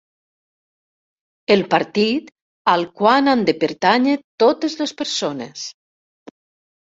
El Partit al qual han de pertànyer totes les persones.